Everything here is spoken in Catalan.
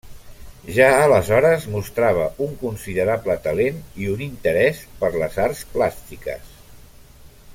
Ja aleshores mostrava un considerable talent i un interès per les arts plàstiques.